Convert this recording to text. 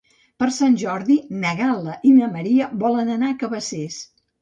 Per Sant Jordi na Gal·la i na Maria volen anar a Cabacés.